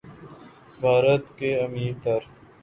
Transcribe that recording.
بھارت کے امیر تر